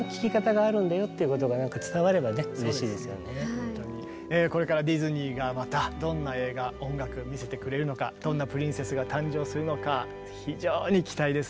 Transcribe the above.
でもね見てる方にもこれからディズニーがまたどんな映画音楽見せてくれるのかどんなプリンセスが誕生するのか非常に期待ですね。